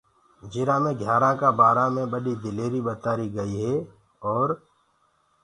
جرآ مي گھِيآرآ ڪآ بآرآ مي بڏيٚ دليريٚ ٻتآريٚ گئيٚ هي اور